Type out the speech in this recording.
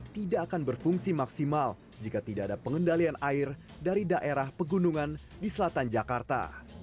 tidak akan berfungsi maksimal jika tidak ada pengendalian air dari daerah pegunungan di selatan jakarta